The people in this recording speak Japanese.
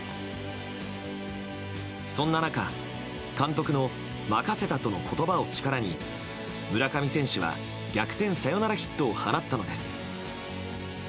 そんな中、監督の「任せた」との言葉を力に村上選手は逆転サヨナラヒットを放ったのです。